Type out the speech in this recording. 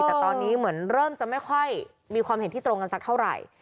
แต่ตอนนี้เหมือนเริ่มจะไม่ค่อยมีความเห็นที่ตรงกันสักเท่าไหร่